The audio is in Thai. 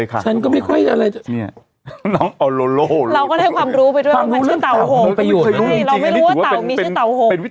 บางหนุ่มก็โทรหาลุงคลแบบ